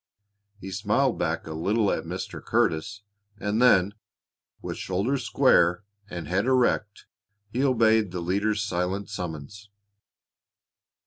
He smiled back a little at Mr. Curtis, and then, with shoulders square and head erect, he obeyed the leader's silent summons.